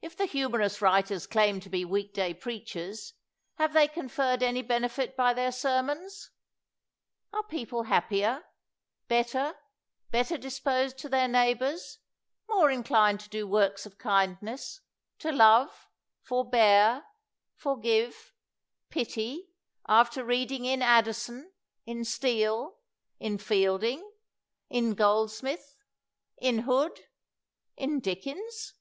If the humorous writers claim to be week day preachers, have they conferred any benefit by their sermons? Are people happier, better, better disposed to their neighbors, more inclined to do works of kindness, to love, for bear, forgive, pity, after reading in Addison, in Steele, in Fielding, in Goldsmith, in Hood, in Dickens?